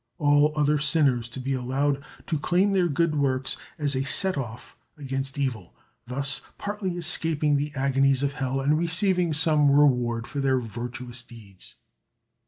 All other sinners to be allowed to claim their good works as a set off against evil, thus partly escaping the agonies of hell and receiving some reward for their virtuous deeds.